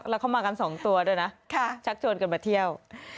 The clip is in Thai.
แล้วเขามากัน๒ตัวด้วยนะชักชวนกันมาเที่ยว